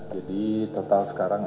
jadi total sekarang